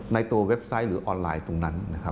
ในตัวเว็บไซต์หรือออนไลน์ตรงนั้นนะครับ